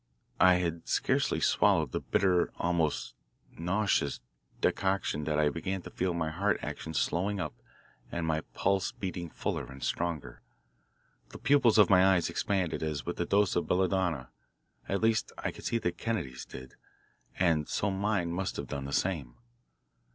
I had scarcely swallowed the bitter, almost nauseous decoction than I began to feel my heart action slowing up and my pulse beating fuller and stronger. The pupils of my eyes expanded as with a dose of belladonna; at least, I could see that Kennedy's did, and so mine must have done the same.